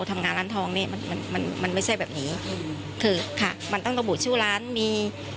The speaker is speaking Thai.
ทำงานร้านทองนี่มันมันไม่ใช่แบบนี้คือค่ะมันต้องระบุชื่อร้านมี